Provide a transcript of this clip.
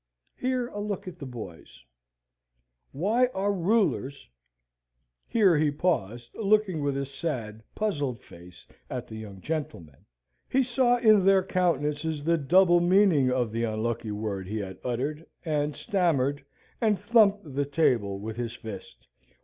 (here a look at the boys). "Why are rulers " Here he paused, looking with a sad, puzzled face at the young gentlemen. He saw in their countenances the double meaning of the unlucky word he had uttered, and stammered, and thumped the table with his fist.